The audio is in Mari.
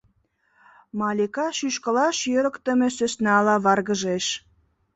— Малика шӱшкылаш йӧрыктымӧ сӧснала варгыжеш.